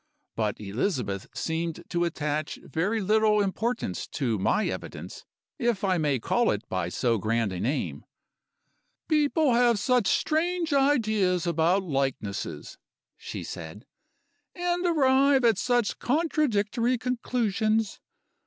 But Elizabeth seemed to attach very little importance to my evidence, if I may call it by so grand a name. 'People have such strange ideas about likenesses,' she said, 'and arrive at such contradictory conclusions.